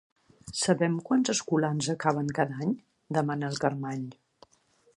Sabem quants escolans acaben cada any? —demana el Carmany.